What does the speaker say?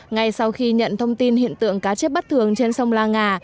ngay sau khi nhận thông tin hiện tượng cá chết bất thường trên sông la nga